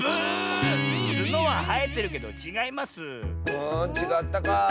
あちがったか。